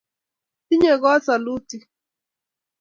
tinye kot salutik